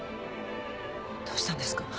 どうしたんですか？